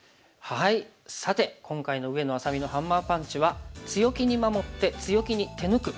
さて今回の上野愛咲美のハンマーパンチは「強気に守って強気に手抜く」を学びました。